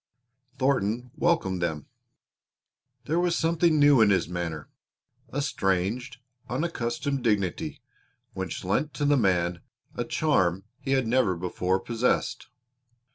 Thornton welcomed them. There was something new in his manner a strange, unaccustomed dignity which lent to the man a charm he had never before possessed.